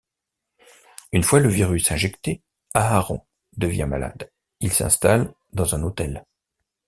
Une fois le virus injecté, Aaron devient malade, ils s'installent dans un hôtel.